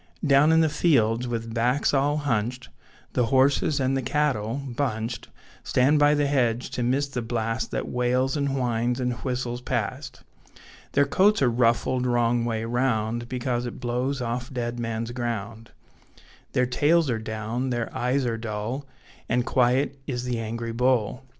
Down in the fields, with backs all hunched, The horses and the cattle, bunched, Stand by the hedge to miss the blast That wails and whines and whistles past; Their coats are ruffled wrong way round, Because it blows off 'Deadman's Ground'; Their tails are down, their eyes are dull, And quiet is the angry bull.